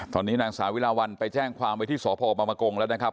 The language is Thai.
ตอนนี้นางสาวิลาวัลไปแจ้งความไว้ที่สพบรมกงแล้วนะครับ